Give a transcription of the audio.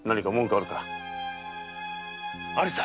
あるさ。